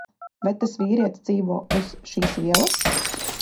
Vai tas vīrietis dzīvo uz šīs ielas?